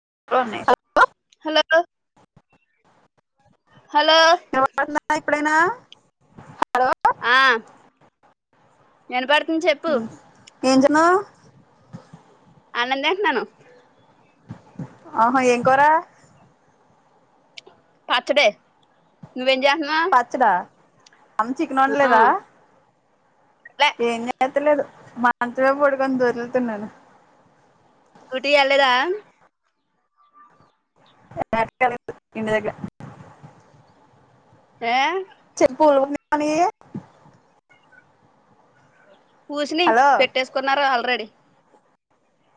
[unintelligible] [unintelligible] Hello వినపడుతుందా ఇప్పుడైనా hello, ఆ వినపడ అ చెప్పు ఏం తిన్నావ్ అన్నం తింటున్నాను ఆహా ఏం కూర పచ్చడే నువ్వేం చేస్తున్నావ్ పచ్చడా అమ్మ చికెన్ ఆ వండలేదా లే ఏం చేత్తలేదు మంచం మీద పడుకొని దొర్లుతున్నాను డ్యూటీ వెళ్ళలేదా జాబ్ కి వెళ్ళలేదు ఇంటి దగ్గరే ఏ చెప్పు ఏం చెప్పాలి అ పుసిని హలో పెట్టేసుకున్నారు ఆల్రెడీ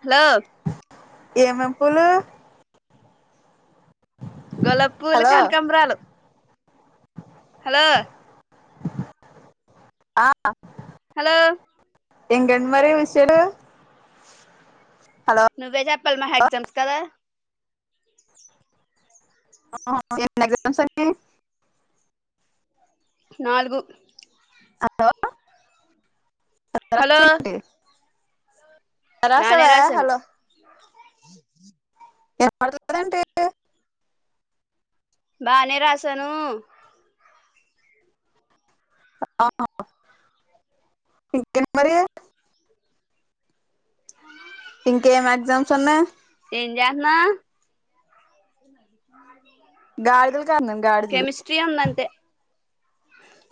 హలో ఏమేమేం పూలు గులాబీ పూలు హలో కానకాంబరాలు హలో ఆ హలో ఏంటండీ మరి విషయాలు హలో నువ్వు ఏ చే ఈ వాళ మా ఏక్జామ్స్ కదా [unintelligible] నాలుగు హలో హలో [unintelligible] అరాసవ హలో హ [unintelligible] ఏంటి బానే రాసాను ఇంకేం మరి ఇంకేం ఎగ్జామ్స్ ఉన్నాయి ఏంజన్న గాడిదలు కాస్తున్న గాడిదలు అంతే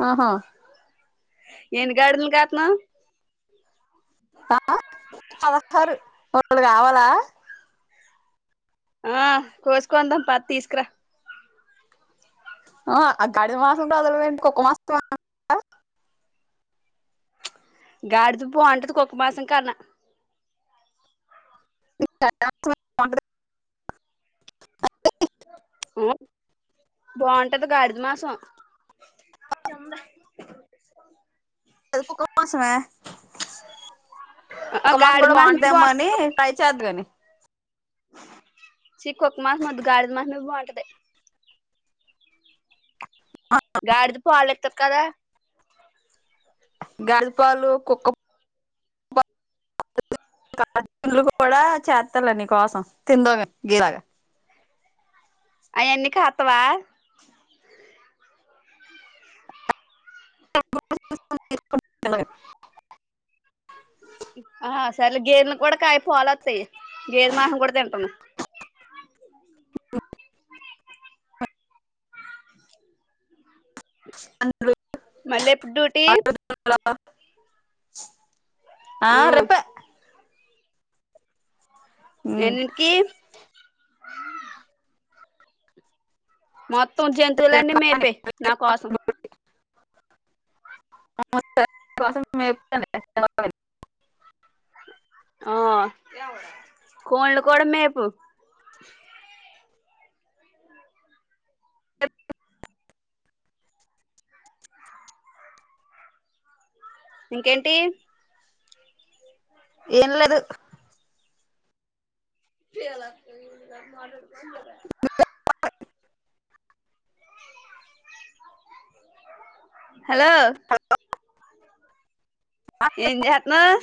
ఆహా ఏను గడులు కాత్నా ఆ పదహారు వాళ్ళు కావాలా ఆ కోస్కోందం పాతి తీసుకురా ఆగాడి మాసంట అజలు ఏంటి కుక్క మాస. గాడిదుప్పు అంటది కుక్క మాసం కాన్నా అ ఆ బాగుంటది గడిది మాసం అది కుక్క మాసమే ఆ ఒక మాన గాడిద కూడా మాసమే బాగుంటేమ్మ అని పై చేద్దగాని చిక్కక్క మాసం వద్దు గారిది మాసమే బాంటది గాడిద స్వాల త కద గాజుపలు కుక్క కాజలు [unintelligible] కూడా చేస్తారు నీ కోసం తిందామే గీలాగా అయ అన్ని కతవా క ఆ సరేలే గేదెలు కూడా కాయ పోలు వస్తాయి గేద మాసం కూడా తింటాము. మల్ళెపుడ్డూటి ఆ ఆ రెప్ప ఎల్లికీ ఆ మ త జంతువులన్నీ మేపే నా కోసం స ఆ కోన్లు కూడాడ మేపు ఇంకేంటి ఏం లేదు క హలో ఏం చేత్నావు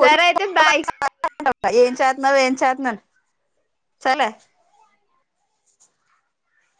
సరే అయితే బాయ్ ఏం చేతన్నా ఏం చేత్న్నా చాల